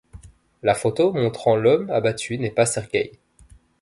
La photo montrant l'homme abattu n'est pas Sergueï.